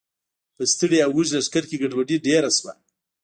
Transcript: په ستړي او وږي لښکر کې ګډوډي ډېره شوه.